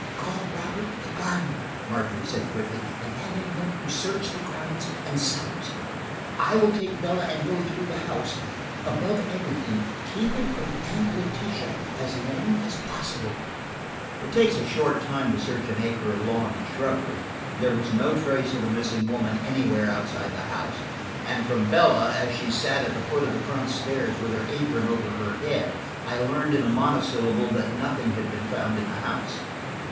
"Call Robert, the gardener," Margery said quickly, "and have him help you search the grounds and cellars. I will take Bella and go through the house. Above everything, keep it from Aunt Letitia as long as possible." I locked the door into the disordered room, and with my head whirling, I went to look for Robert. It takes a short time to search an acre of lawn and shrubbery. There was no trace of the missing woman anywhere outside the house, and from Bella, as she sat at the foot of the front stairs with her apron over her head, I learned in a monosyllable that nothing had been found in the house.